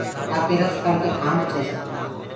تآکي رس ڪڙ ڪي کآنڊ ٺي سڪي۔